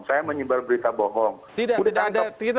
saya menyebar berita bohong